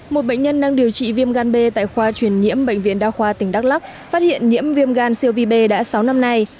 một bệnh nhân đang điều trị viêm gan b tại khoa truyền nhiễm bệnh viện đa khoa tỉnh đắk lắk phát hiện nhiễm viêm gan siêu vi bê đã sáu năm nay